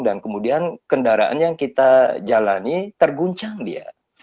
dan kemudian kendaraan yang kita jalani terguncang dia